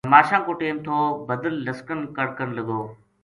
نماشاں کو ٹیم تھو بدل لسکن کڑکن لگو